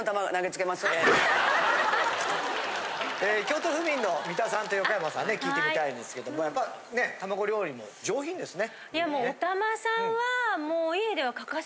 京都府民の三田さんと横山さんね聞いてみたいんですけどやっぱね卵料理も上品ですね。